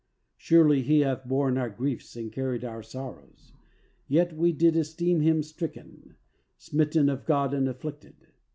Surely He hath borne our griefs and carried our sorrows: yet we did esteem Him stricken, smitten of God and afflicted.